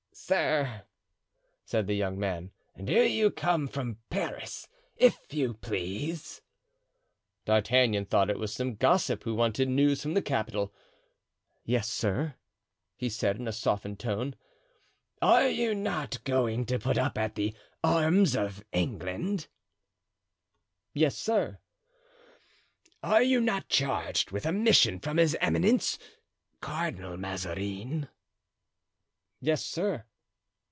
"Sir," said the young man, "do you not come from Paris, if you please?" D'Artagnan thought it was some gossip who wanted news from the capital. "Yes, sir," he said, in a softened tone. "Are you not going to put up at the 'Arms of England'?" "Yes, sir." "Are you not charged with a mission from his eminence, Cardinal Mazarin?" "Yes, sir."